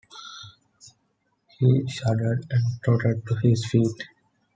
He shuddered and tottered to his feet.